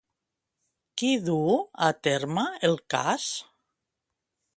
Qui duu a terme el cas?